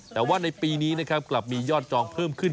แต่ว่าในปีนี้นะครับกลับมียอดจองเพิ่มขึ้น